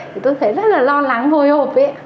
thì tôi thấy rất là lo lắng hồi hộp